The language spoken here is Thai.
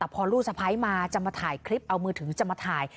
พอลูกสะพ้ายมาจะมาถ่ายคลิปเอามือถือจะมาถ่าย